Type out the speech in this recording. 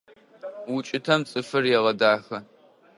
УкӀытэм цӀыфыр егъэдахэ.